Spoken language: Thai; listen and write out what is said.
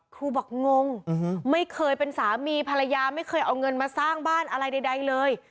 ครูบอกงงไม่เคยเป็นสามีภรรยาไม่เคยเอาเงินมาสร้างบ้านอะไรใดเลย